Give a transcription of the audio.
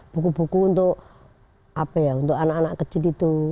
buku buku untuk anak anak kecil itu